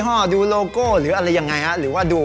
จะดูล็อโก้ดูลี่ห้อหรืออะไรยังไงหรือว่าดู